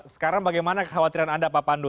sekarang bagaimana kekhawatiran anda pak pandu